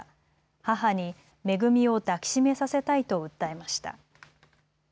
母にめぐみを抱き締めさせたいと訴えました。